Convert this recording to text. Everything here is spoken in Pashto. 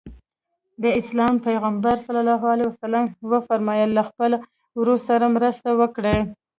د اسلام پیغمبر ص وفرمایل له خپل ورور سره مرسته وکړئ.